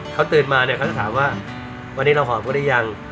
เขาตื่นมาเนี่ยเขาจะถามว่าวันนี้เราหอมพวกหรือยัง